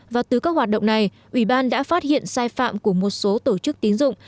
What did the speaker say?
và từ các hoạt động này ủy ban đã phát hiện sai phạm của một số tổ chức tín dụng